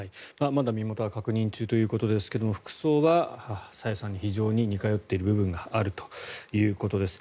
まだ身元は確認中ということですが服装は朝芽さんに非常に似通っている部分があるということです。